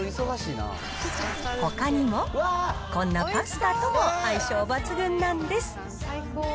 ほかにも、こんなパスタとも相性抜群なんです。